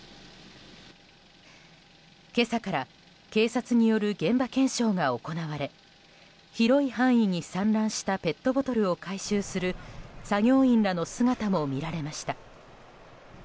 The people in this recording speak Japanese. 今朝から警察による現場検証が行われ広い範囲に散乱したペットボトルを回収する作業員らの姿も見られました。